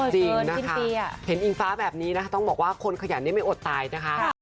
จริงนะคะเห็นอิงฟ้าแบบนี้นะคะต้องบอกว่าคนขยันนี้ไม่อดตายนะคะ